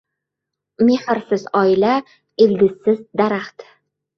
• Mehrsiz oila ― ildizsiz daraxt.